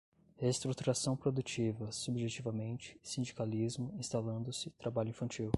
Reestruturação produtiva, subjetivamente, sindicalismo, instalando-se, trabalho infantil